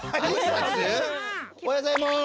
おはようございます。